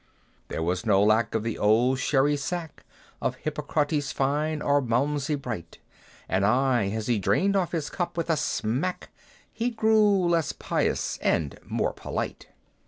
There was no lack of the old Sherris sack, Of Hippocras fine, or of Malmsey bright; And aye, as he drained off his cup with a smack, He grew less pious and more polite.